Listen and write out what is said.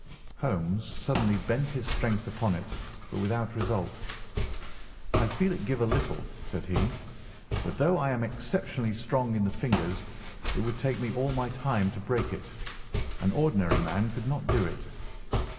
Holmes suddenly bent his strength upon it, but without result. "I feel it give a little," said he; "but, though I am exceptionally strong in the fingers, it would take me all my time to break it. An ordinary man could not do it.